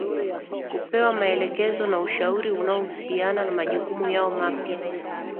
hupewa maelekezo na ushauri unaohusiana na majukumu yao mapya